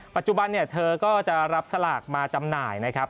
ปัจจุบันเนี่ยเธอก็จะรับสลากมาจำหน่ายนะครับ